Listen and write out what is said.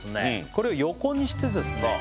これを横にしてですね